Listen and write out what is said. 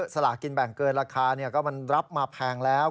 สลากินแบ่งเกินราคาก็มันรับมาแพงแล้ว